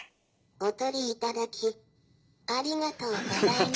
「お取り頂きありがとうございました」。